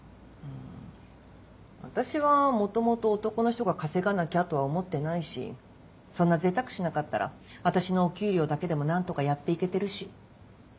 私は元々男の人が稼がなきゃとは思ってないしそんな贅沢しなかったら私のお給料だけでも何とかやっていけてるし。